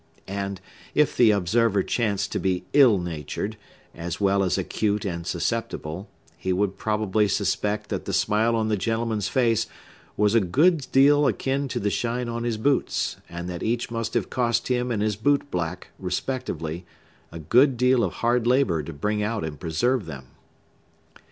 And if the observer chanced to be ill natured, as well as acute and susceptible, he would probably suspect that the smile on the gentleman's face was a good deal akin to the shine on his boots, and that each must have cost him and his boot black, respectively, a good deal of hard labor to bring out and preserve them.